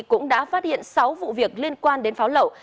cũng đã phát hiện sáu vụ việc liên quan đến pháo lậu